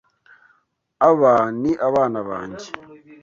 Aba ni abana banjye.